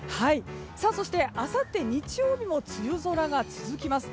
そして、あさって日曜日も梅雨空が続きます。